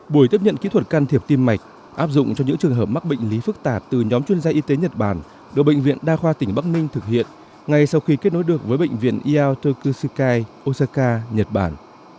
buổi tiếp nhận kỹ thuật can thiệp tim mạch áp dụng cho những trường hợp mắc bệnh lý phức tạp từ nhóm chuyên gia y tế nhật bản được bệnh viện đa khoa tỉnh bắc ninh thực hiện ngay sau khi kết nối được với bệnh viện eo tokushikai osaka nhật bản